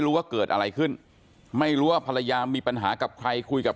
ว่าเกิดอะไรขึ้นไม่รู้ว่าภรรยามีปัญหากับใครคุยกับ